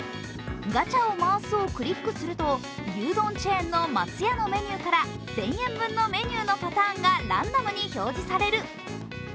ガチャを回すとクリックすると牛丼チェーンの松屋のメニューから１０００円分のメニューのパターンがランダムに表示される。